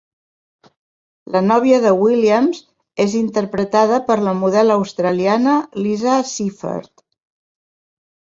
La nòvia de Williams és interpretada per la model australiana Lisa Seiffert.